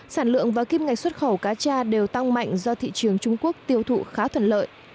sản lượng và kim ngạch xuất khẩu cá cha đều tăng mạnh do thị trường trung quốc tiêu thụ khá thuận lợi